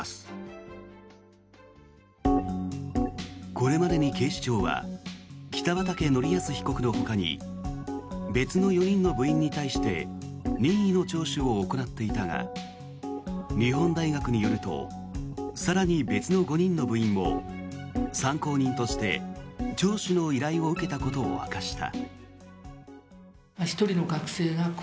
これまでに警視庁は北畠成文被告のほかに別の４人の部員に対して任意の聴取を行っていたが日本大学によると更に別の５人の部員も参考人として聴取の依頼を受けたことを明かした。